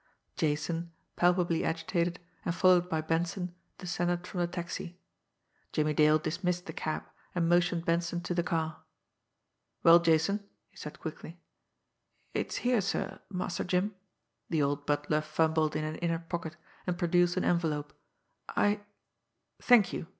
Jason, palpably agitated, and followed by Benson, descended from the taxi. Jimmie Dale dismissed the cab, and motioned Benson to the car. "Well, Jason?" he said quickly. "It's here, sir, Master Jim" the old butler fumbled in an inner pocket, and produced an envelope "I " "Thank you!